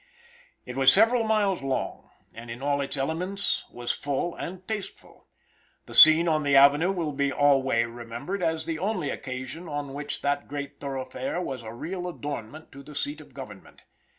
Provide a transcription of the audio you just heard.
It was several miles long, and in all its elements was full and tasteful. The scene on the avenue will be alway remembered as the only occasion on which that great thoroughfare was a real adornment to the seat of government.